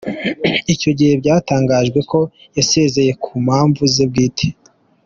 Icyo gihe byatangajwe ko yasezeye ku mpamvu ze bwite.